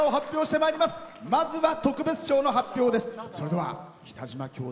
まずは特別賞の発表です。